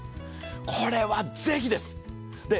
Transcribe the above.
これはぜひです。